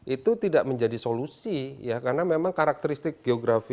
itu tidak menjadi solusi ya karena memang karakteristik geografi